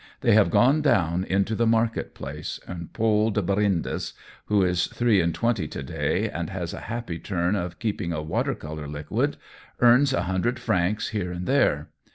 They have gone down into the market place, and Paule de Brindes, who is three and twenty to day, and has a happy turn for keeping a water color liquid, earns a hundred francs here and there.